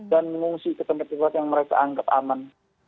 dan mengungsi ke tempat tempat yang mereka anggap aman